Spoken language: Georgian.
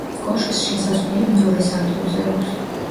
კოშკს შესასვლელი მეორე სართულზე აქვს.